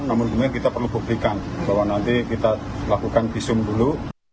namun kemudian kita perlu buktikan bahwa nanti kita lakukan visum dulu